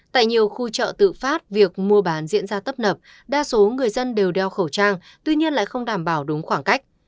tại nhiều khu chợ tự phát việc mua bán diễn ra tấp nập đa số người dân đều đeo khẩu trang tuy nhiên lại không đảm bảo đúng khoảng cách